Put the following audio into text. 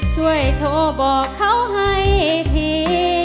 ช่วยโทรบอกเขาให้ที